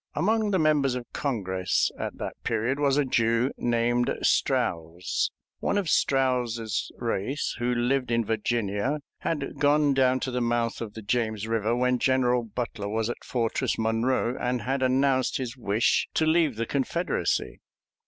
Among the members of Congress at that period was a Jew named Strouse. One of Strouse's race, who lived in Virginia, had gone down to the mouth of the James River when General Butler was at Fortress Monroe, and had announced his wish to leave the Confederacy.